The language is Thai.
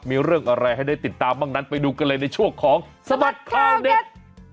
มีเรื่องอะไรให้ได้ติดตามบ้างนั้นไปดูกันเลยในช่วงของสบัดข่าวเด็ด